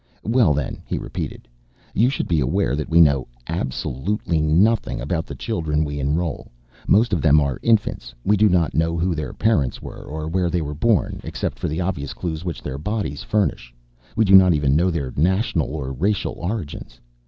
"Well, then," he repeated, "you should be aware that we know absolutely nothing about the children we enroll. Most of them are infants. We do not know who their parents were, or where they were born. Except for the obvious clues which their bodies furnish, we do not even know their national or racial origins.